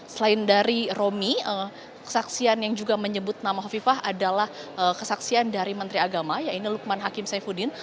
selain dari romi kesaksian yang juga menyebut nama hovifah adalah kesaksian dari menteri agama ya ini lukman hakim saifuddin